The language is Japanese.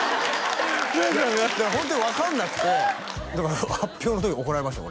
ホントに分かんなくてだから発表の時怒られました